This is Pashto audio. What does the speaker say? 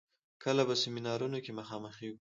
کله په سيمينارونو کې مخامخېږو.